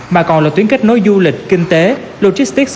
mà còn là tuyến kết nối du lịch kinh tế logistics